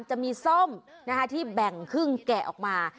จะมีส้มที่แบ่งครึ่งแกะออกมา